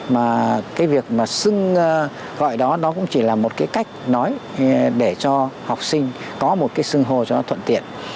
mà cái việc mà xưng gọi đó nó cũng chỉ là một cái cách nói để cho học sinh có một cái xưng hô cho nó thuận tiện